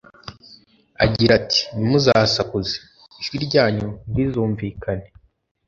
agira ati «ntimuzasakuze, ijwi ryanyu ntirizumvikane.